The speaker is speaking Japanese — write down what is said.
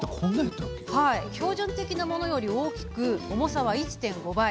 標準的なものより大きく重さは１．５倍。